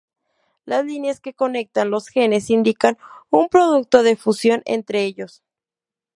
Las líneas que conectan los genes indican un producto de fusión entre ellos.